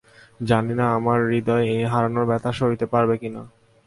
জানি না আমার হৃদয় এই হারানোর ব্যাথা সইতে পারবে কিনা!